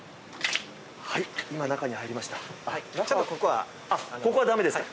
今、中に入りました。